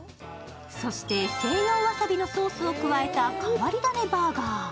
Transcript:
そして西洋わさびのソースを加えた変わり種バーガー。